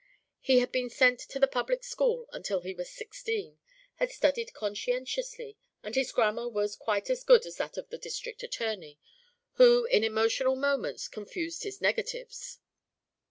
He had been sent to the public school until he was sixteen, had studied conscientiously, and his grammar was quite as good as that of the District Attorney, who in emotional moments confused his negatives.